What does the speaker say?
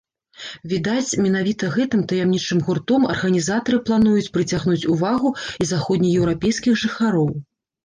Відаць, менавіта гэтым таямнічым гуртом арганізатары плануюць прыцягнуць увагу і заходнееўрапейскіх жыхароў.